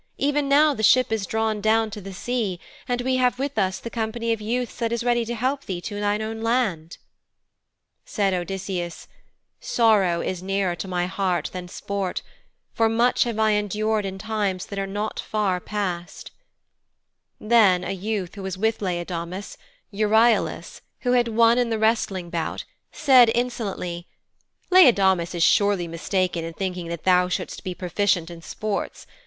Even now the ship is drawn down to the sea, and we have with us the company of youths that is ready to help thee to thine own land.' Said Odysseus, 'Sorrow is nearer to my heart than sport, for much have I endured in times that are not far past' Then a youth who was with Laodamas, Euryalus, who had won in the wrestling bout, said insolently, 'Laodamas is surely mistaken in thinking that thou shouldst be proficient in sports.